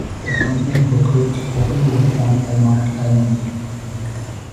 The accompanying booklet opened with a poem by Marc Almond.